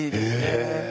ええ。